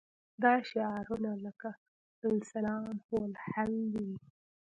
دا شعارونه لکه الاسلام هو الحل دي.